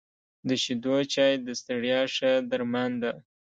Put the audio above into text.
د شيدو چای د ستړیا ښه درمان ده .